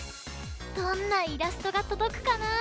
どんなイラストがとどくかな！